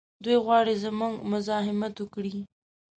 دوی غواړي زموږ مزاحمت وکړي.